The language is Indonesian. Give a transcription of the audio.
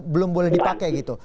belum boleh dipakai gitu